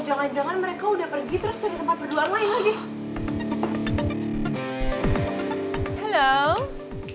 jangan jangan mereka udah pergi terus tempat berdua main lagi